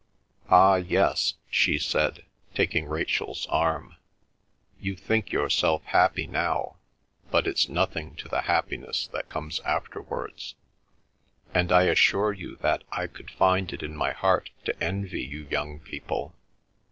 Ah, yes," she said, taking Rachel's arm, "you think yourself happy now, but it's nothing to the happiness that comes afterwards. And I assure you I could find it in my heart to envy you young people!